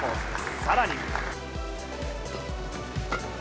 さらに。